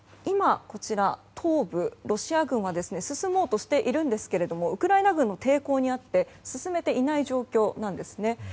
東部にロシア軍は進もうとしているんですがウクライナ軍の抵抗に遭って進めていない状況なんですね。